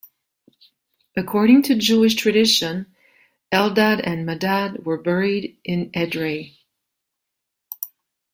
According to Jewish tradition, Eldad and Medad were buried in Edrei.